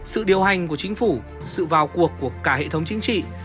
sự điều hành của chính phủ sự vào cuộc của cả hệ thống chính trị